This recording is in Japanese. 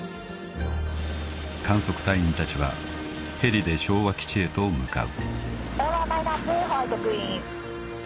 ［観測隊員たちはヘリで昭和基地へと向かう］